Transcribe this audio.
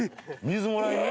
水もらいに？